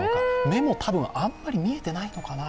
目もあんまり見えてないのかな。